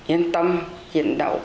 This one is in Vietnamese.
yên tâm chiến đấu